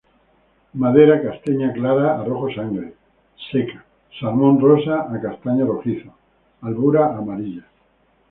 Madera castaña clara a rojo sangre; seca, salmón rosa a castaño rojizo; albura amarilla.